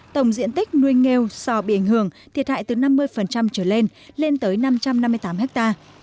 tổng diện tích nuôi nghêu sò bị ảnh hưởng thiệt hại từ năm mươi trở lên lên tới năm trăm năm mươi tám hectare